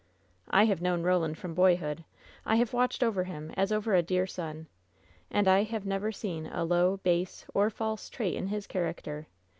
"I have known Roland from boyhood; I have watched over him as over a dear son; and I have never seen a low, base, or false trait in his character.